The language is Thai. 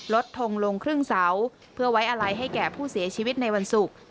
ทงลงครึ่งเสาเพื่อไว้อะไรให้แก่ผู้เสียชีวิตในวันศุกร์